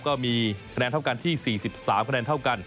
ก็มีคะแนนเท่ากันที่๔๓คะแนนเท่ากัน